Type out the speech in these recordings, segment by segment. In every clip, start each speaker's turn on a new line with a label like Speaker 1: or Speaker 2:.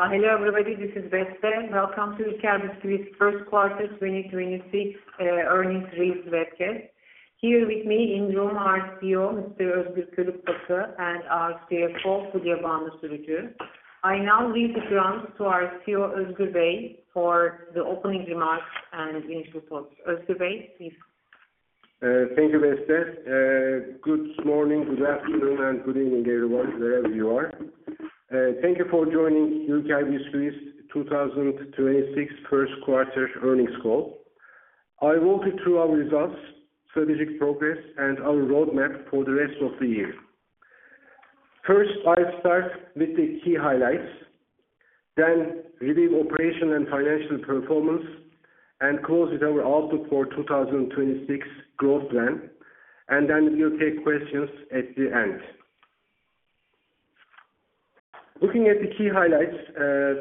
Speaker 1: Hello, everybody. This is Beste. Welcome to Ülker Bisküvi Q1 2026 earnings release webcast. Here with me in room, our CEO, Mr. Özgür Kölükfakı, and our CFO, Fulya Banu Sürücü. I now leave the ground to our CEO, Özgür, for the opening remarks and initial thoughts. Özgür, please.
Speaker 2: Thank you, Beste. Good morning, good afternoon, and good evening, everyone, wherever you are. Thank you for joining Ülker Bisküvi 2026 Q1 earnings call. I'll walk you through our results, strategic progress, and our roadmap for the rest of the year. First, I'll start with the key highlights, then review operational and financial performance, and close with our outlook for 2026 growth plan. We'll take questions at the end. Looking at the key highlights,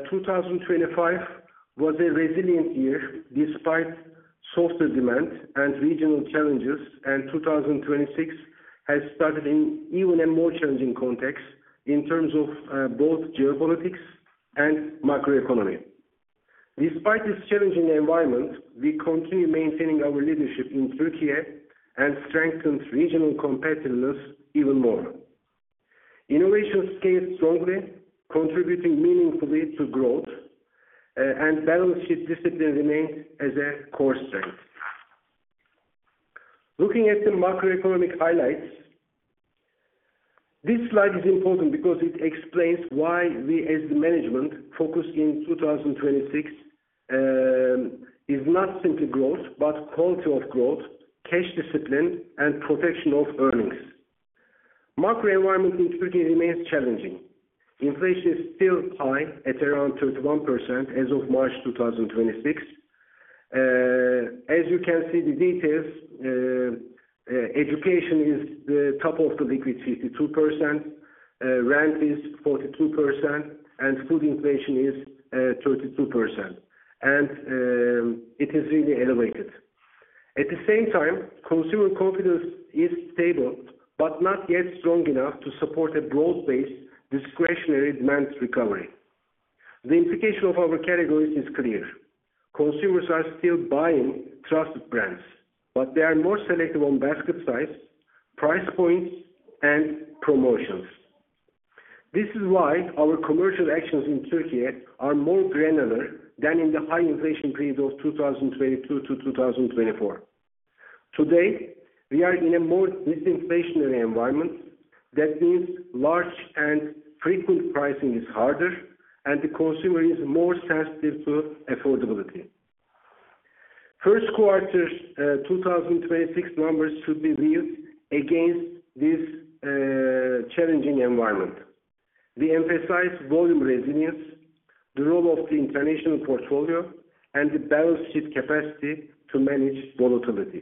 Speaker 2: 2025 was a resilient year despite softer demand and regional challenges. 2026 has started in even a more challenging context in terms of both geopolitics and macroeconomy. Despite this challenging environment, we continue maintaining our leadership in Türkiye and strengthened regional competitiveness even more. Innovation scaled strongly, contributing meaningfully to growth, and balance sheet discipline remains as a core strength. Looking at the macroeconomic highlights, this slide is important because it explains why we, as the management, focus in 2026, is not simply growth, but quality of growth, cash discipline, and protection of earnings. Macro environment in Türkiye remains challenging. Inflation is still high at around 31% as of March 2026. As you can see the details, education is the top of the league with 52%, rent is 42%, and food inflation is 32%. It is really elevated. At the same time, consumer confidence is stable, but not yet strong enough to support a broad-based discretionary demand recovery. The implication of our categories is clear. Consumers are still buying trusted brands, but they are more selective on basket size, price points, and promotions. This is why our commercial actions in Türkiye are more granular than in the high inflation period of 2022 to 2024. Today, we are in a more disinflationary environment. That means large and frequent pricing is harder, and the consumer is more sensitive to affordability. Q1's 2026 numbers should be viewed against this challenging environment. We emphasize volume resilience, the role of the international portfolio, and the balance sheet capacity to manage volatility.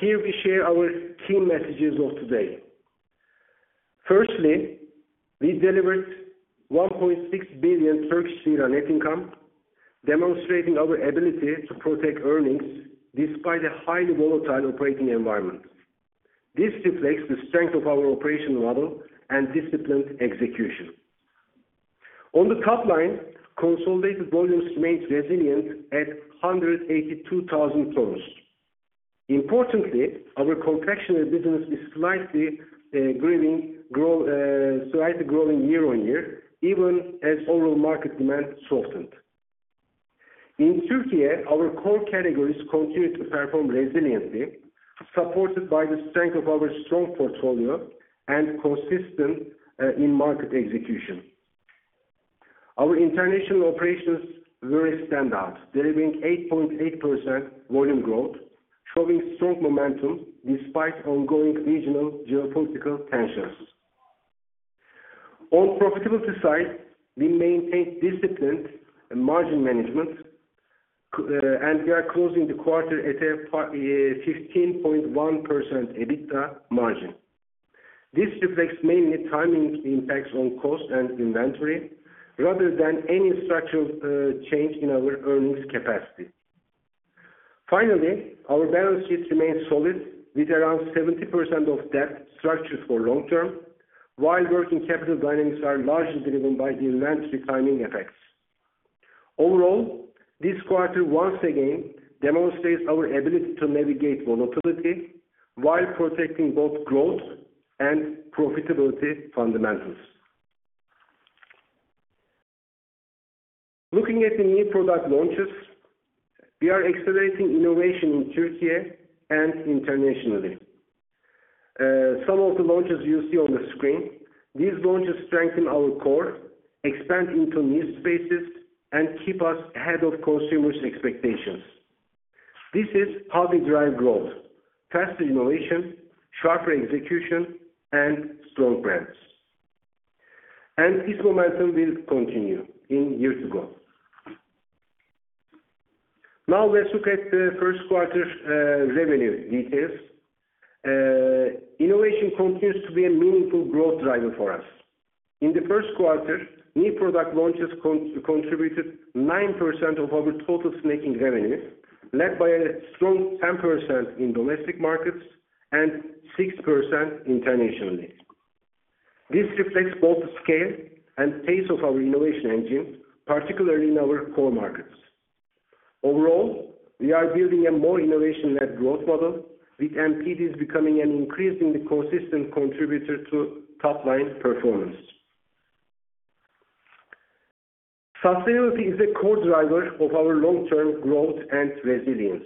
Speaker 2: Here we share our key messages of today. Firstly, we delivered 1.6 billion Turkish lira net income, demonstrating our ability to protect earnings despite a highly volatile operating environment. This reflects the strength of our operational model and disciplined execution. On the top line, consolidated volumes remained resilient at 182,000 tons. Importantly, our confectionery business is slightly growing year-on-year, even as overall market demand softened. In Türkiye, our core categories continued to perform resiliently, supported by the strength of our strong portfolio and consistent in market execution. Our international operations were a standout, delivering 8.8% volume growth, showing strong momentum despite ongoing regional geopolitical tensions. On profitability side, we maintained disciplined margin management, and we are closing the quarter at a 15.1% EBITDA margin. This reflects mainly timing impacts on cost and inventory rather than any structural change in our earnings capacity. Finally, our balance sheets remain solid with around 70% of debt structured for long term, while working capital dynamics are largely driven by inventory timing effects. Overall, this quarter once again demonstrates our ability to navigate volatility while protecting both growth and profitability fundamentals. Looking at the new product launches, we are accelerating innovation in Türkiye and internationally. Some of the launches you see on the screen. These launches strengthen our core, expand into new spaces, and keep us ahead of consumers' expectations. This is how we drive growth: faster innovation, sharper execution, and strong brands. This momentum will continue in years to go. Now let's look at the Q1 revenue details. Innovation continues to be a meaningful growth driver for us. In the Q1, new product launches contributed 9% of our total snacking revenues, led by a strong 10% in domestic markets and 6% internationally. This reflects both the scale and pace of our innovation engine, particularly in our core markets. Overall, we are building a more innovation-led growth model with NPDs becoming an increasingly consistent contributor to top-line performance. Sustainability is a core driver of our long-term growth and resilience.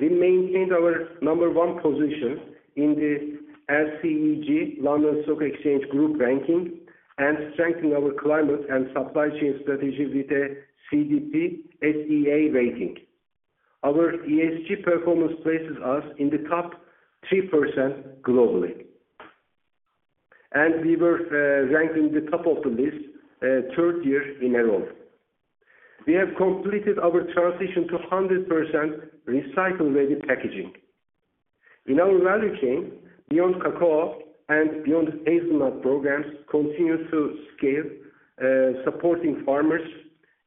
Speaker 2: We maintained our number 1 position in the LSEG, London Stock Exchange Group ranking, and strengthened our climate and supply chain strategy with a CDP SEA rating. Our ESG performance places us in the top 3% globally, and we were ranked in the top of the list, third year in a row. We have completed our transition to 100% recycle-ready packaging. In our value chain, Beyond Cocoa and Beyond Hazelnut programs continue to scale, supporting farmers,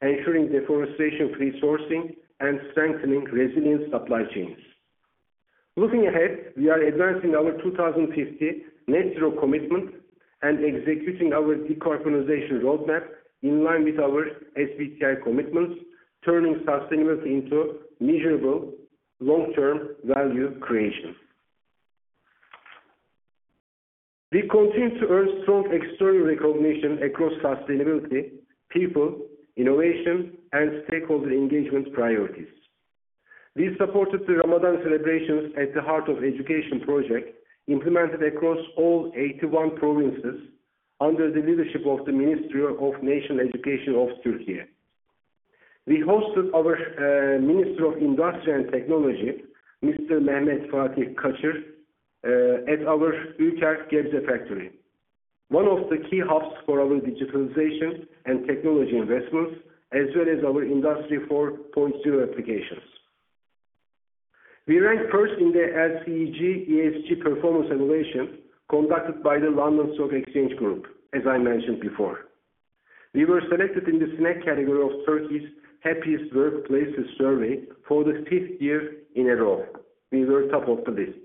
Speaker 2: ensuring deforestation-free sourcing, and strengthening resilient supply chains. Looking ahead, we are advancing our 2050 net zero commitment and executing our decarbonization roadmap in line with our SBTi commitments, turning sustainability into measurable long-term value creation. We continue to earn strong external recognition across sustainability, people, innovation, and stakeholder engagement priorities. We supported the Ramadan celebrations at the Heart of Education Project, implemented across all 81 provinces under the leadership of the Ministry of National Education of Türkiye. We hosted our Minister of Industry and Technology, Mr. Mehmet Fatih Kacır, at our Ülker Gebze factory, one of the key hubs for our digitalization and technology investments as well as our Industry 4.0 applications. We ranked first in the LSEG ESG performance evaluation conducted by the London Stock Exchange Group, as I mentioned before. We were selected in the snack category of Turkey's Happiest Workplaces survey for the fifth year in a row. We were top of the list.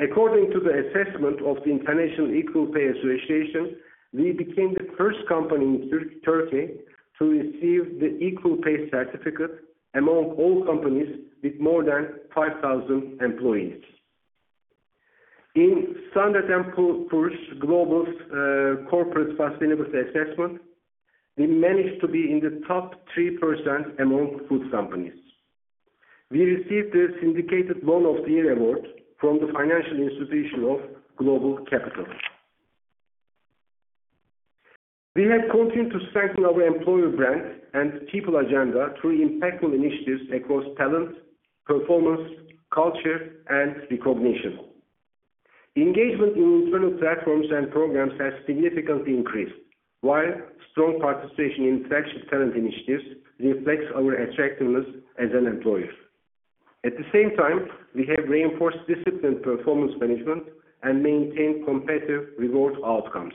Speaker 2: According to the assessment of the Equal Pay International Coalition, we became the first company in Turkey to receive the Equal Pay Certificate among all companies with more than 5,000 employees. In S&P Global Corporate Sustainability Assessment, we managed to be in the top 3% among food companies. We received the Syndicated Loan of the Year award from the financial institution of GlobalCapital. We have continued to strengthen our employer brand and people agenda through impactful initiatives across talent, performance, culture, and recognition. Engagement in internal platforms and programs has significantly increased, while strong participation in flagship talent initiatives reflects our attractiveness as an employer. At the same time, we have reinforced disciplined performance management and maintained competitive reward outcomes.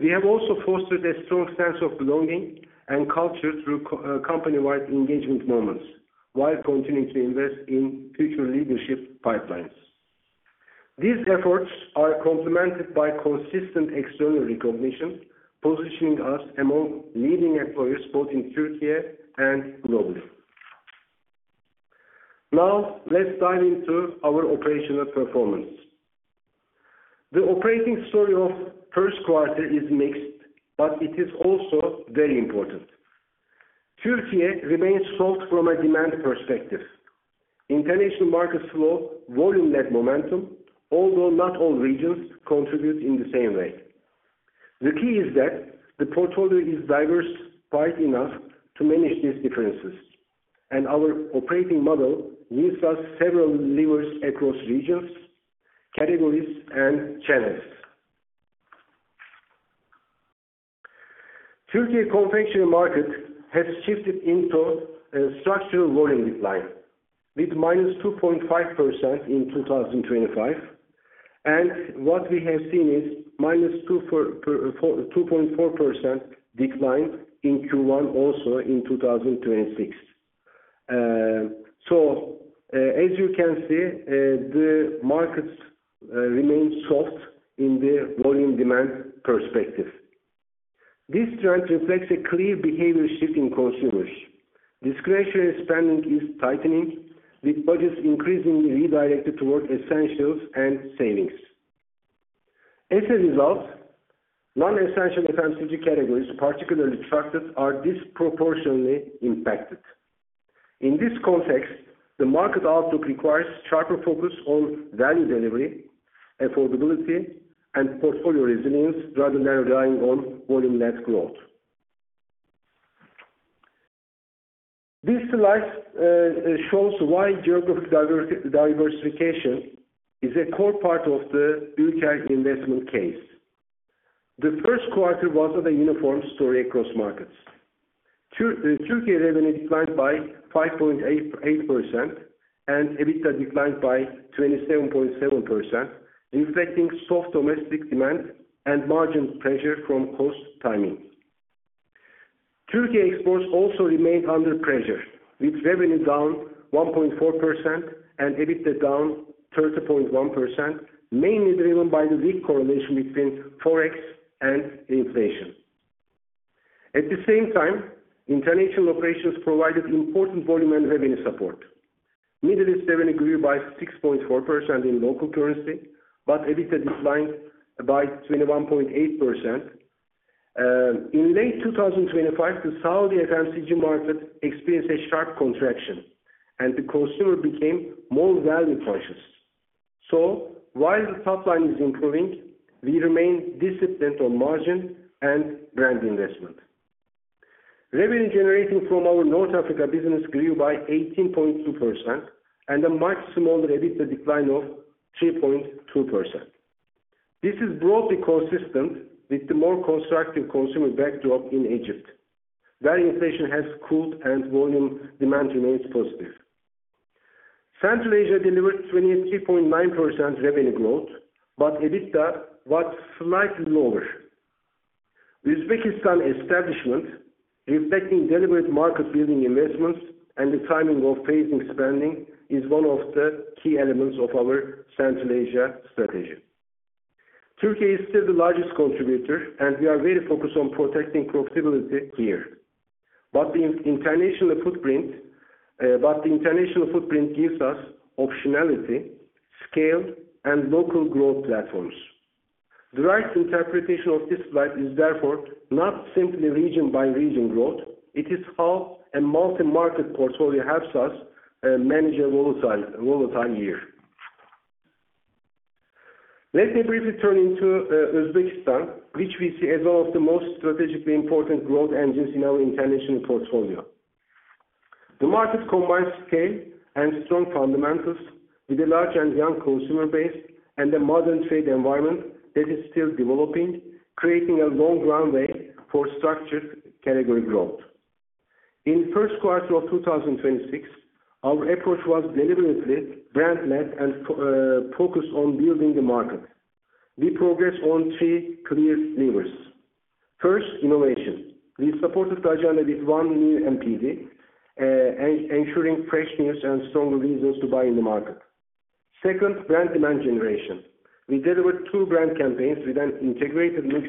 Speaker 2: We have also fostered a strong sense of belonging and culture through company-wide engagement moments while continuing to invest in future leadership pipelines. These efforts are complemented by consistent external recognition, positioning us among leading employers both in Türkiye and globally. Now, let's dive into our operational performance. The operating story of Q1 is mixed, but it is also very important. Türkiye remains soft from a demand perspective. International markets show volume-led momentum, although not all regions contribute in the same way. The key is that the portfolio is diversified enough to manage these differences, and our operating model gives us several levers across regions, categories, and channels. Türkiye confectionery market has shifted into a structural volume decline with -2.5% in 2025, and what we have seen is -2.4% decline in Q1 also in 2026. As you can see, the markets remain soft in the volume demand perspective. This trend reflects a clear behavior shift in consumers. Discretionary spending is tightening, with budgets increasingly redirected towards essentials and savings. As a result, non-essential FMCG categories, particularly chocolates, are disproportionately impacted. In this context, the market outlook requires sharper focus on value delivery, affordability, and portfolio resilience rather than relying on volume-led growth. This slide shows why geographic diversification is a core part of the Ülker investment case. The Q1 was of a uniform story across markets. Türkiye revenue declined by 5.88%, EBITDA declined by 27.7%, reflecting soft domestic demand and margin pressure from cost timing. Türkiye exports also remained under pressure, with revenue down 1.4% and EBITDA down 30.1%, mainly driven by the weak correlation between Forex and inflation. At the same time, international operations provided important volume and revenue support. Middle East revenue grew by 6.4% in local currency, EBITDA declined by 21.8%. In late 2025, the Saudi FMCG market experienced a sharp contraction, the consumer became more value conscious. While the top line is improving, we remain disciplined on margin and brand investment. Revenue generating from our North Africa business grew by 18.2%, a much smaller EBITDA decline of 3.2%. This is broadly consistent with the more constructive consumer backdrop in Egypt, where inflation has cooled and volume demand remains positive. Central Asia delivered 23.9% revenue growth, EBITDA was slightly lower. The Uzbekistan establishment, reflecting deliberate market building investments and the timing of phasing spending, is one of the key elements of our Central Asia strategy. Türkiye is still the largest contributor, we are very focused on protecting profitability here. The international footprint gives us optionality, scale, and local growth platforms. The right interpretation of this slide is therefore not simply region by region growth. It is how a multi-market portfolio helps us manage a volatile year. Let me briefly turn into Uzbekistan, which we see as one of the most strategically important growth engines in our international portfolio. The market combines scale and strong fundamentals with a large and young consumer base and a modern trade environment that is still developing, creating a long runway for structured category growth. In Q1 of 2026, our approach was deliberately brand-led and focused on building the market. We progress on three clear levers. First, innovation. We supported the agenda with one new NPD, ensuring fresh news and stronger reasons to buy in the market. Second, brand demand generation. We delivered two brand campaigns with an integrated mix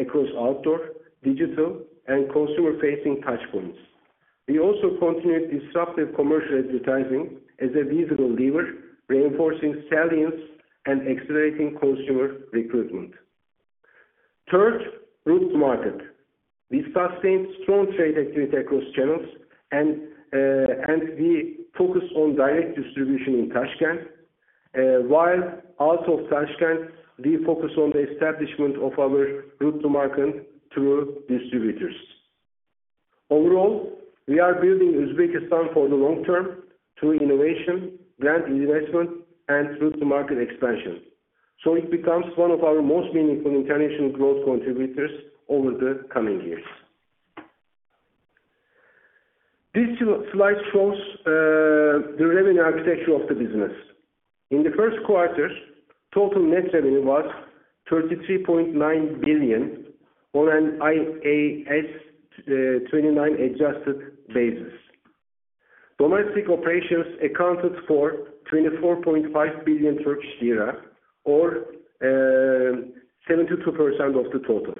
Speaker 2: across outdoor, digital, and consumer-facing touchpoints. We also continued disruptive commercial advertising as a visible lever, reinforcing salience and accelerating consumer recruitment. Third, route to market. We sustained strong trade activity across channels and we focused on direct distribution in Tashkent, while out of Tashkent we focus on the establishment of our route to market through distributors. Overall, we are building Uzbekistan for the long term through innovation, brand investment, and route to market expansion, so it becomes one of our most meaningful international growth contributors over the coming years. This slide shows the revenue architecture of the business. In the Q1, total net revenue was 33.9 billion on an IAS 29 adjusted basis. Domestic operations accounted for 24.5 billion Turkish lira or 72% of the total.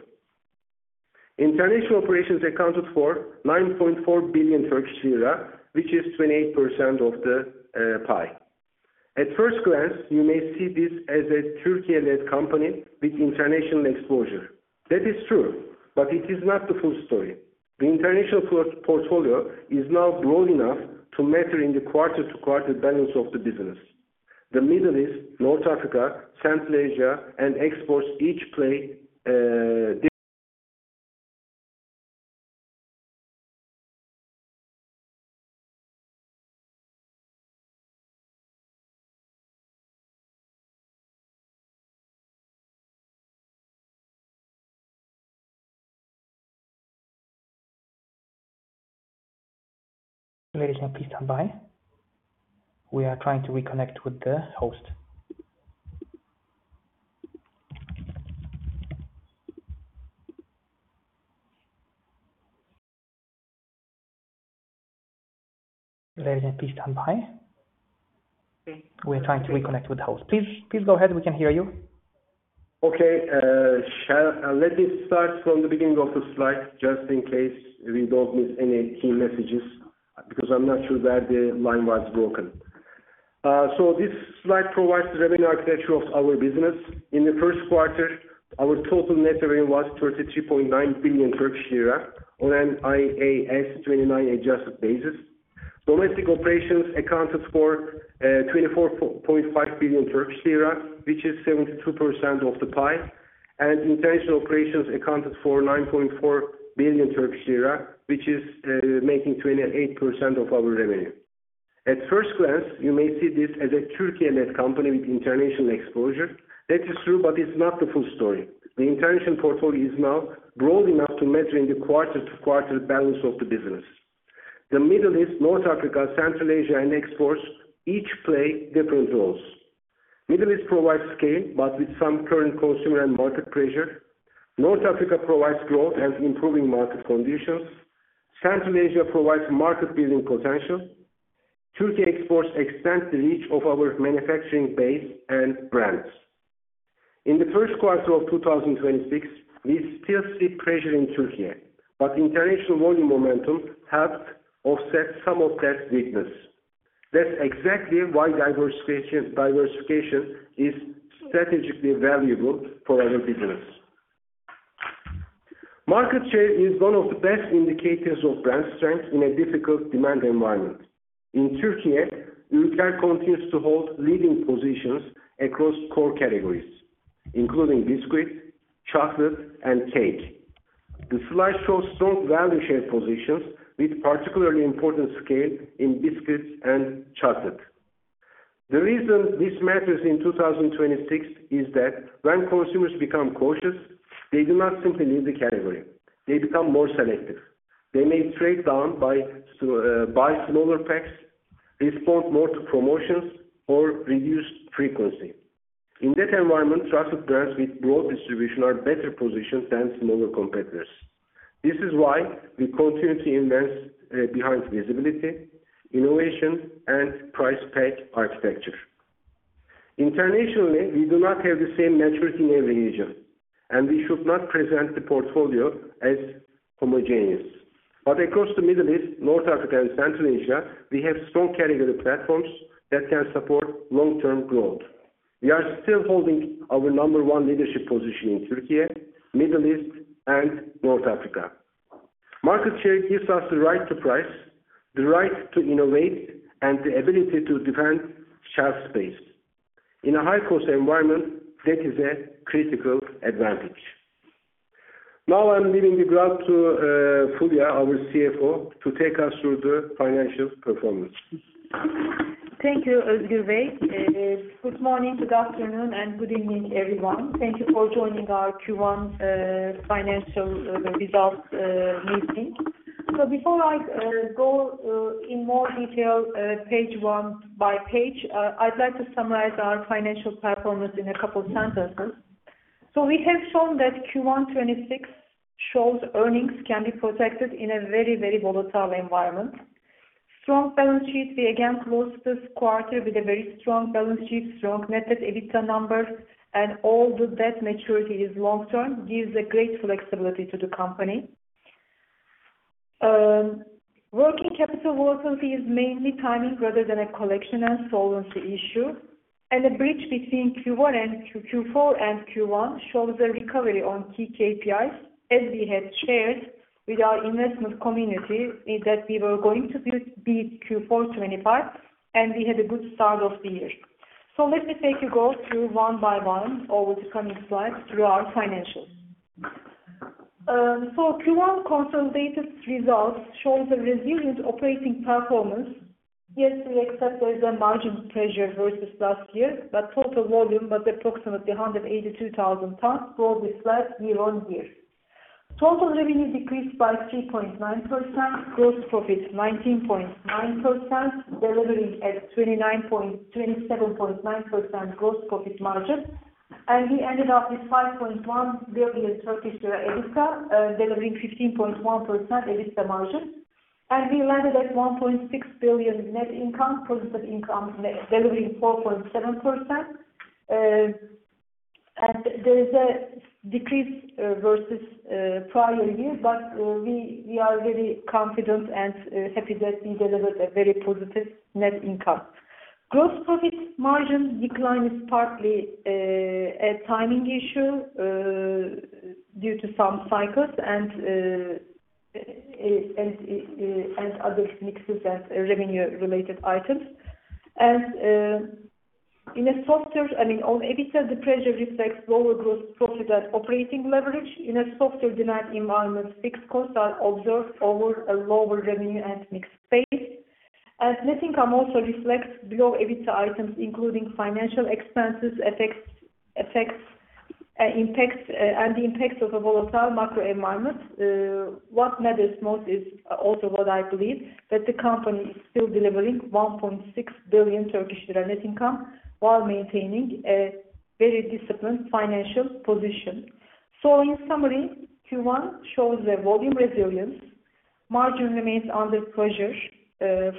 Speaker 2: International operations accounted for 9.4 billion Turkish lira, which is 28% of the pie. At first glance, you may see this as a Turkey-led company with international exposure. That is true, but it is not the full story. The international portfolio is now broad enough to matter in the quarter-to-quarter balance of the business. The Middle East, North Africa, Central Asia, and exports each play-
Speaker 3: Please go ahead. We can hear you.
Speaker 2: Okay. Let me start from the beginning of the slide just in case we don't miss any key messages, because I'm not sure where the line was broken. This slide provides the revenue architecture of our business. In the Q2, our total net revenue was 33.9 billion Turkish lira on an IAS 29 adjusted basis. Domestic operations accounted for 24.5 billion Turkish lira, which is 72% of the pie, and international operations accounted for 9.4 billion Turkish lira, which is making 28% of our revenue. At first glance, you may see this as a Turkey-led company with international exposure. That is true, but it's not the full story. The international portfolio is now broad enough to matter in the quarter-to-quarter balance of the business. The Middle East, North Africa, Central Asia, and exports each play different roles. Middle East provides scale, but with some current consumer and market pressure. North Africa provides growth and improving market conditions. Central Asia provides market building potential. Türkiye exports extend the reach of our manufacturing base and brands. In the Q1 of 2026, we still see pressure in Türkiye, but international volume momentum helped offset some of that weakness. That's exactly why diversification is strategically valuable for our business. Market share is one of the best indicators of brand strength in a difficult demand environment. In Türkiye, Ülker continues to hold leading positions across core categories, including biscuit, chocolate, and cake. The slide shows strong value share positions with particularly important scale in biscuits and chocolate. The reason this matters in 2026 is that when consumers become cautious, they do not simply leave the category. They become more selective. They may trade down by buy smaller packs, respond more to promotions or reduce frequency. In that environment, trusted brands with broad distribution are better positioned than smaller competitors. This is why we continue to invest behind visibility, innovation, and Price Pack Architecture. Internationally, we do not have the same Asia, and we should not present the portfolio as homogeneous. Across the Middle East, North Africa, and Central Asia, we have strong category platforms that can support long-term growth. We are still holding our number 1 leadership position in Türkiye, Middle East, and North Africa. Market share gives us the right to price, the right to innovate, and the ability to defend shelf space. In a high-cost environment, that is a critical advantage. Now I'm leaving the ground to Fulya, our CFO, to take us through the financial performance.
Speaker 4: Thank you, Özgür. Good morning, good afternoon, and good evening, everyone. Thank you for joining our Q1 financial results meeting. Before I go in more detail, page 1 by page, I'd like to summarize our financial performance in a couple sentences. We have shown that Q1 2026 shows earnings can be protected in a very volatile environment. Strong balance sheet. We again closed this quarter with a very strong balance sheet, strong net-net EBITDA numbers, and all the debt maturity is long-term, gives a great flexibility to the company. Working capital volatility is mainly timing rather than a collection and solvency issue. The bridge between Q4 and Q1 shows a recovery on key KPIs, as we had shared with our investment community is that we were going to do beat Q4 2025, and we had a good start of the year. Let me take you go through one by one over the coming slides through our financials. Q1 consolidated results shows a resilient operating performance. Yes, we accept there is a margin pressure versus last year, but total volume, about approximately 182,000 tons, broadly flat year-on-year. Total revenue decreased by 3.9%. Gross profit, 19.9%, delivering at 27.9% gross profit margin. We ended up with 5.1 billion EBITDA, delivering 15.1% EBITDA margin. We landed at 1.6 billion net income, positive income delivering 4.7%. There is a decrease versus prior year, but we are very confident and happy that we delivered a very positive net income. Gross profit margin decline is partly a timing issue due to some cycles and other mixes and revenue related items. On EBITDA, the pressure reflects lower gross profit and operating leverage. In a softer demand environment, fixed costs are observed over a lower revenue and mix base. Net income also reflects below EBITDA items, including financial expenses effects, impacts and the impacts of a volatile macro environment. What matters most is also what I believe, that the company is still delivering 1.6 billion Turkish lira net income while maintaining a very disciplined financial position. In summary, Q1 shows a volume resilience. Margin remains under pressure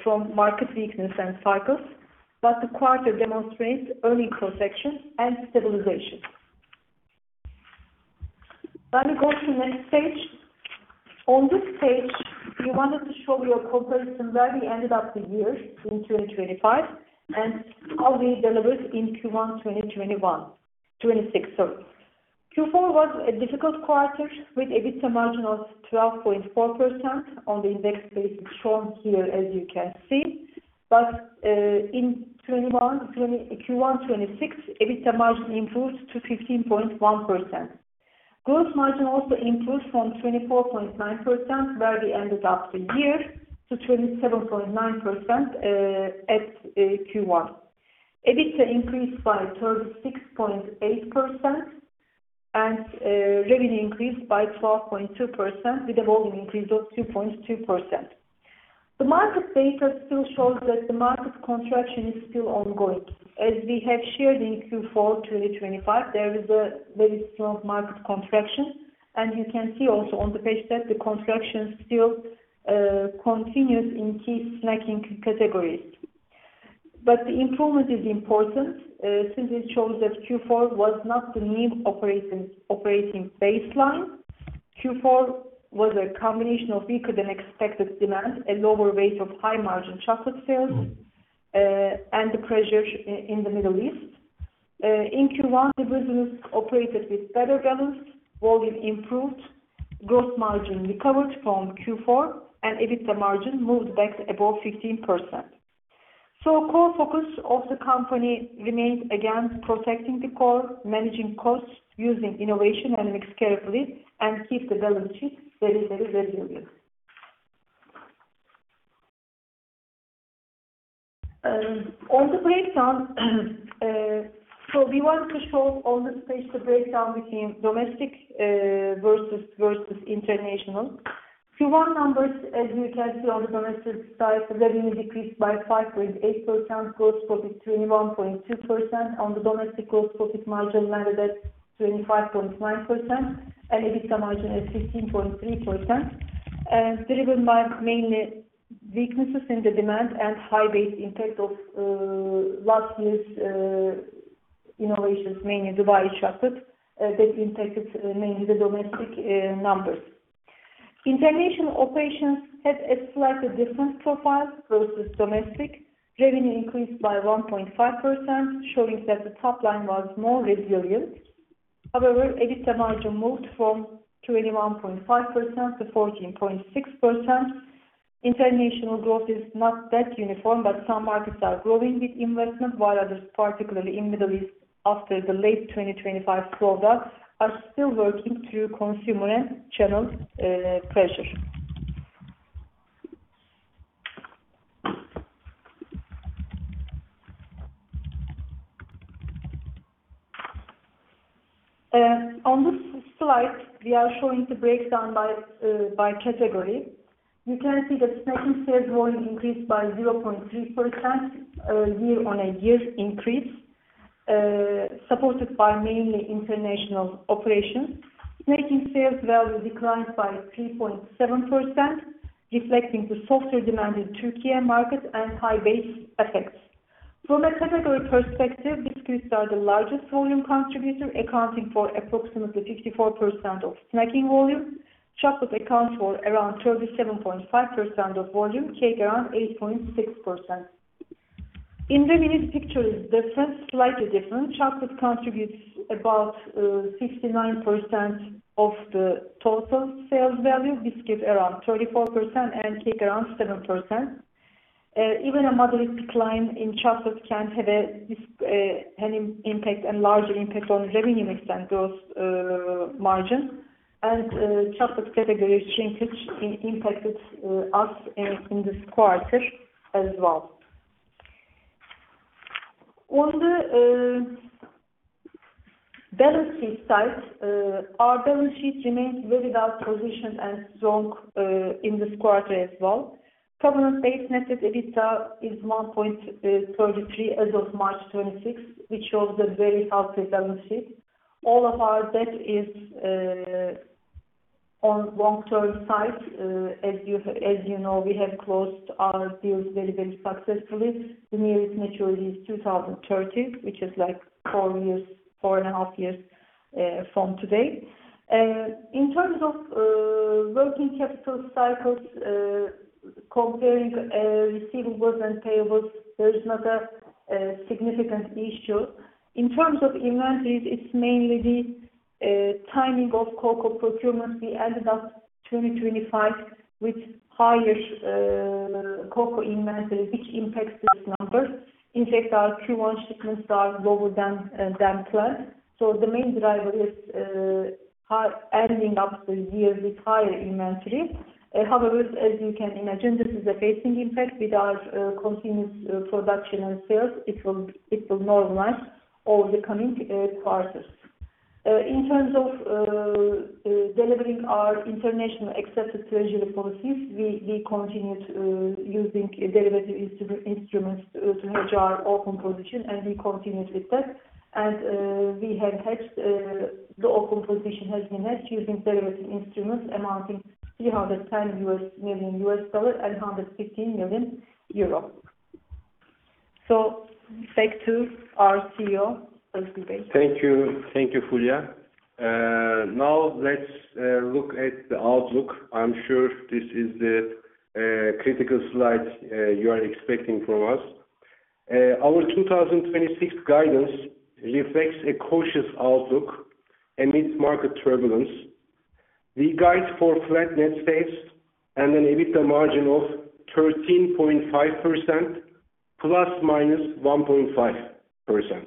Speaker 4: from market weakness and cycles, but the quarter demonstrates earning protection and stabilization. Let me go to the next page. On this page, we wanted to show you a comparison where we ended up the year in 2025 and how we delivered in Q1 2026. Q4 was a difficult quarter with EBITDA margin of 12.4% on the index basis shown here, as you can see. In Q1 2026, EBITDA margin improved to 15.1%. Gross margin also improved from 24.9%, where we ended up the year, to 27.9% at Q1. EBITDA increased by 36.8%. Revenue increased by 12.2% with a volume increase of 2.2%. The market data still shows that the market contraction is still ongoing. As we have shared in Q4 2025, there is a very strong market contraction. You can see also on the page that the contraction still continues in key snacking categories. The improvement is important since it shows that Q4 was not the new operating baseline. Q4 was a combination of weaker than expected demand, a lower rate of high-margin chocolate sales, and the pressure in the Middle East. In Q1, the business operated with better balance, volume improved, gross margin recovered from Q4, and EBITDA margin moved back above 15%. Core focus of the company remains again protecting the core, managing costs, using innovation and mix carefully and keep the balance sheet very, very, very resilient. On the breakdown, we want to show on this page the breakdown between domestic versus international. Q1 numbers, as you can see on the domestic side, revenue decreased by 5.8%, gross profit 21.2%. On the domestic gross profit margin landed at 25.9% and EBITDA margin at 15.3%. Driven by mainly weaknesses in the demand and high base impact of last year's innovations, mainly Dubai Chocolate, that impacted mainly the domestic numbers. International operations had a slightly different profile versus domestic. Revenue increased by 1.5%, showing that the top line was more resilient. EBITDA margin moved from 21.5% to 14.6%. International growth is not that uniform, but some markets are growing with investment while others, particularly in Middle East after the late 2025 slowdown, are still working through consumer and channel pressure. On this slide, we are showing the breakdown by category. You can see that snacking sales volume increased by 0.3% year-on-year increase, supported by mainly international operations. Snacking sales value declined by 3.7%, reflecting the softer demand in Türkiye market and high base effects. From a category perspective, biscuits are the largest volume contributor, accounting for approximately 54% of snacking volume. Chocolate accounts for around 37.5% of volume, cake around 8.6%. In revenue picture is different, slightly different. Chocolate contributes about 69% of the total sales value, biscuits around 34% and cake around 7%. Even a moderate decline in chocolate can have an impact and larger impact on revenue mix and gross margin. Chocolate category change impacted us in this quarter as well. On the balance sheet side, our balance sheet remains very well positioned and strong in this quarter as well. Permanent base net of EBITDA is 1.33 as of March 2026, which shows a very healthy balance sheet. All of our debt is on long-term side. As you know, we have closed our deals very, very successfully. The nearest maturity is 2030, which is like four years, four and a half years from today. In terms of working capital cycles, comparing receivables and payables, there is not a significant issue. In terms of inventories, it's mainly the timing of cocoa procurement. We ended up 2025 with higher cocoa inventory which impacts this number. In fact, our Q1 shipments are lower than planned. The main driver is ending up the year with higher inventory. However, as you can imagine, this is a phasing impact. With our continuous production and sales it will normalize over the coming quarters. In terms of delivering our international accepted treasury policies, we continued using derivative instruments to hedge our open position, and we continued with that. We have hedged the open position has been hedged using derivative instruments amounting $310 million and 115 million euro. Back to our CEO, Özgür.
Speaker 2: Thank you, Fulya Banu Sürücü. Let's look at the outlook. I'm sure this is the critical slide you are expecting from us. Our 2026 guidance reflects a cautious outlook amidst market turbulence. We guide for flat net sales and an EBITDA margin of 13.5% ±1.5%.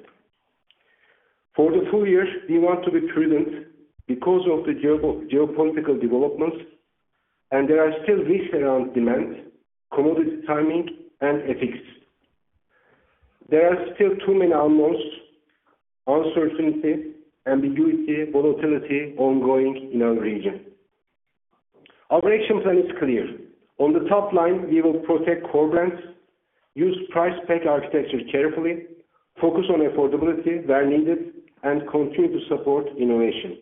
Speaker 2: For the full year, we want to be prudent because of the geopolitical developments. There are still risks around demand, commodity timing and FX. There are still too many unknowns, uncertainty, ambiguity, volatility ongoing in our region. Our action plan is clear. On the top line, we will protect core brands, use Price Pack Architecture carefully, focus on affordability where needed, and continue to support innovation.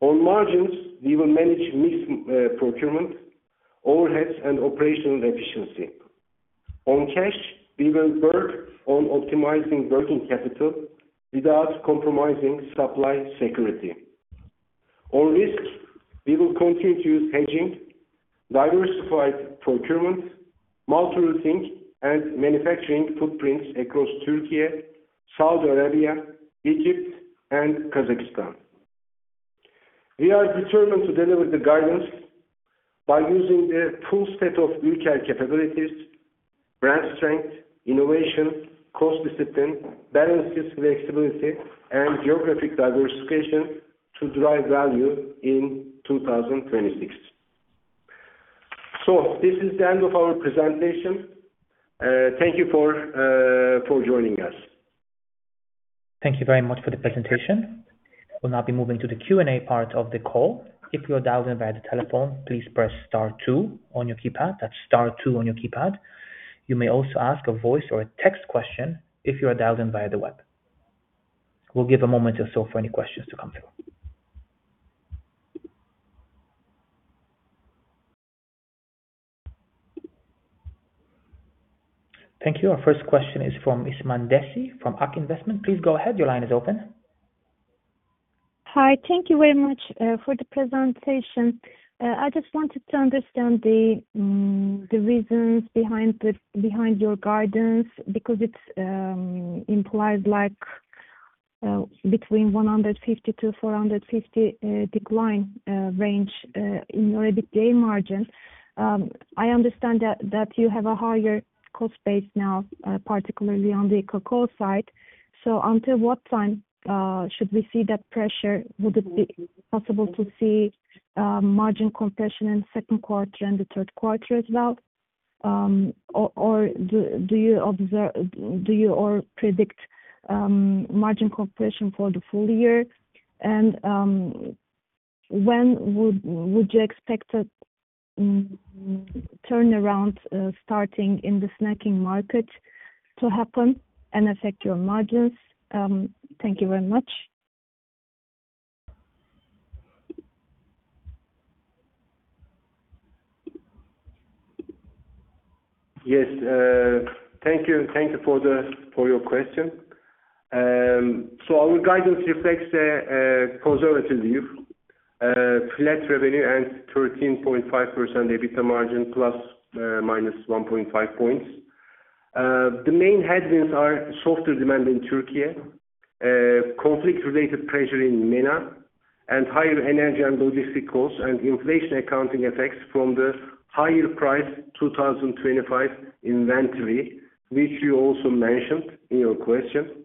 Speaker 2: On margins, we will manage mix, procurement, overheads, and operational efficiency. On cash, we will work on optimizing working capital without compromising supply security. On risks, we will continue to use hedging, diversified procurement, multi-routing, and manufacturing footprints across Türkiye, Saudi Arabia, Egypt, and Kazakhstan. We are determined to deliver the guidance by using the full set of Ülker capabilities, brand strength, innovation, cost discipline, balanced flexibility, and geographic diversification to drive value in 2026. This is the end of our presentation. Thank you for joining us.
Speaker 3: Thank you very much for the presentation. We'll now be moving to the Q&A part of the call. If you are dialed in via the telephone, please press star two on your keypad. That's star two on your keypad. You may also ask a voice or a text question if you are dialed in via the web. We'll give a moment or so for any questions to come through. Thank you. Our first question is from [Isman Desi] from AK Investment. Please go ahead. Your line is open.
Speaker 5: Hi. Thank you very much for the presentation. I just wanted to understand the reasons behind the behind your guidance because it implies like between 150 to 450 decline range in your EBITDA margin. I understand that you have a higher cost base now particularly on the cocoa side. Until what time should we see that pressure? Would it be possible to see margin compression in Q2 and the Q3 as well? Do you predict margin compression for the full year? When would you expect a turnaround starting in the snacking market to happen and affect your margins? Thank you very much.
Speaker 2: Yes. Thank you. Thank you for the, for your question. Our guidance reflects a conservative view, flat revenue and 13.5% EBITDA margin, ±1.5 points. The main headwinds are softer demand in Türkiye, conflict-related pressure in MENA, and higher energy and logistic costs and inflation accounting effects from the higher priced 2025 inventory, which you also mentioned in your question.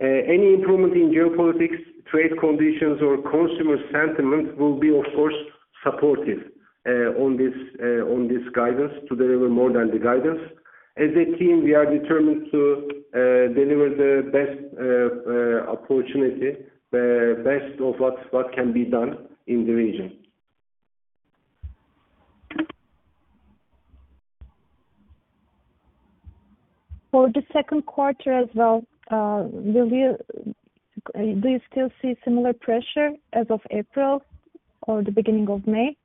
Speaker 2: Any improvement in geopolitics, trade conditions or consumer sentiment will be, of course, supportive on this guidance to deliver more than the guidance. As a team, we are determined to deliver the best opportunity, the best of what can be done in the region.
Speaker 5: For the Q1 as well, do you still see similar pressure as of April or the beginning of May?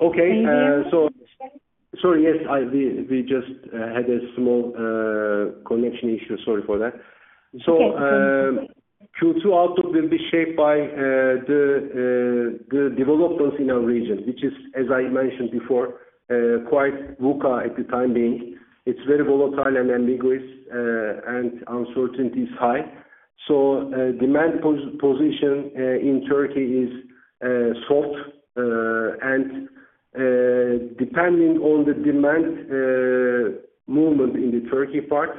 Speaker 2: Okay.
Speaker 5: Can you hear me?
Speaker 2: Sorry, yes, we just had a small connection issue. Sorry for that.
Speaker 5: Okay.
Speaker 2: Q2 outlook will be shaped by the developments in our region, which is, as I mentioned before, quite VUCA at the time being. It's very volatile and ambiguous, and uncertainty is high. Demand position in Turkey is soft. And depending on the demand movement in the Turkey part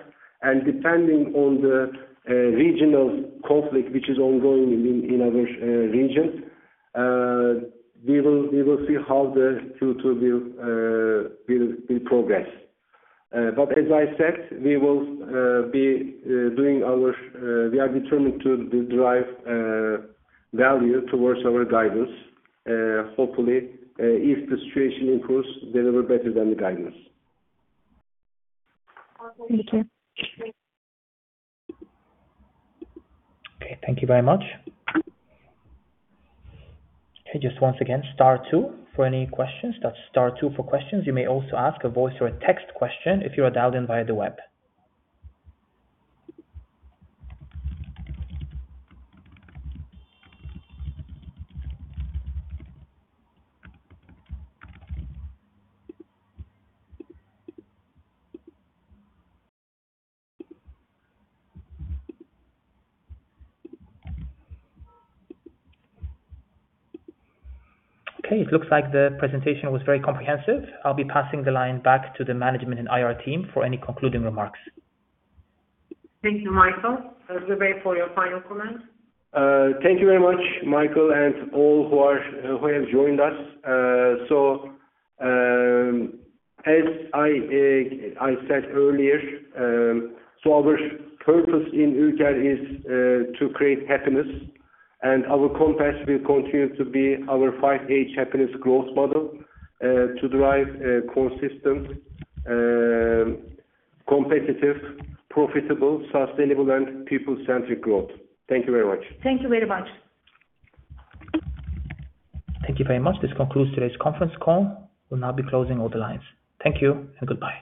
Speaker 2: and depending on the regional conflict which is ongoing in our region, we will see how the Q2 will progress. But as I said, we will be doing our- we are determined to drive value towards our guidance. Hopefully, if the situation improves, deliver better than the guidance.
Speaker 5: Thank you.
Speaker 3: Okay. Thank you very much. Okay, just once again, star two for any questions. That's star two for questions. You may also ask a voice or a text question if you are dialed in via the web. Okay. It looks like the presentation was very comprehensive. I'll be passing the line back to the management and IR team for any concluding remarks.
Speaker 4: Thank you, Michael. Özgür, for your final comments.
Speaker 2: Thank you very much, Michael, and all who have joined us. As I said earlier, our purpose in Ülker is to create happiness, and our compass will continue to be our five A happiness growth model to drive a consistent, competitive, profitable, sustainable, and people-centric growth. Thank you very much.
Speaker 4: Thank you very much.
Speaker 3: Thank you very much. This concludes today's conference call. We'll now be closing all the lines. Thank you and goodbye.